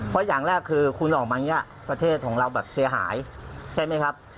เพราะอย่างแรกคือคุณออกมาอย่างนี้ประเทศของเราแบบเสียหายใช่ไหมครับ